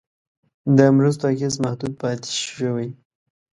د مرستو اغېز محدود پاتې شوی.